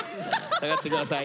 下がって下さい。